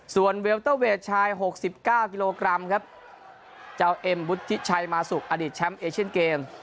ส่วนเวลเตอร์เวทชาย๖๙กิโลกรัมครับเจ้าเอ็มวุฒิชัยมาสุกอดีตแชมป์เอเชียนเกม